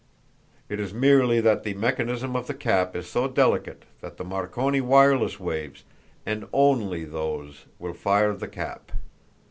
It is merely that the mechanism of the cap is so delicate that the Marconi wireless waves and only those will fire the cap.